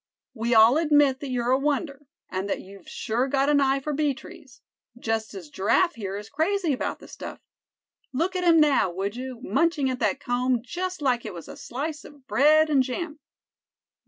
We all admit that you're a wonder, and that you've sure got an eye for bee trees; just as Giraffe here is crazy about the stuff. Look at him now, would you, munching at that comb just like it was a slice of bread and jam."